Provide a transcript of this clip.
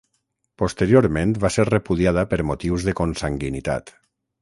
Posteriorment va ser repudiada per motius de consanguinitat.